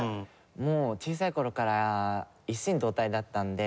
もう小さい頃から一心同体だったんで。